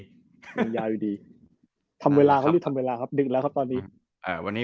งค์ยาวอยู่ดีทำเวลาดีทำเวลาดึกแล้วครับตอนนี้